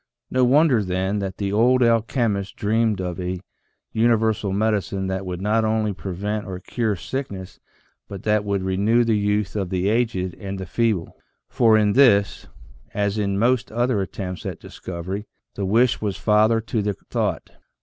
No wonder then that the old alchemists dreamed of a universal medicine that would not only prevent or cure sickness but that would renew the youth of the aged and the feeble, for in this, as in most other attempts at discov ery, the wish was father to the thought.